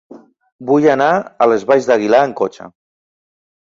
Vull anar a les Valls d'Aguilar amb cotxe.